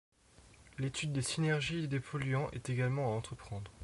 L’étude des synergies des polluants est également à entreprendre.